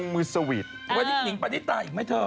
มีวัทยินิ้งปริตาอีกมั้ยเธอ